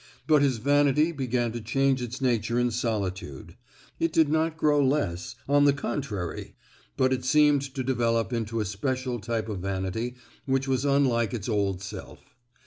But his vanity began to change its nature in solitude. It did not grow less, on the contrary; but it seemed to develop into a special type of vanity which was unlike its old self.